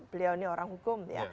beliau ini orang hukum ya